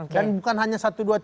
oke dan bukan hanya satu dua tiga